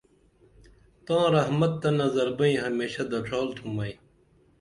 تاں رحمت تہ نظر بئیں ہمیشہ دڇھال تُھم ائی